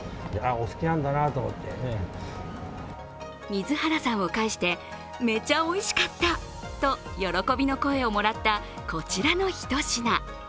水原さんを介してめちゃおいしかったと喜びの声をもらったこちらの一品。